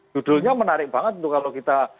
judulnya menarik banget untuk kalau kita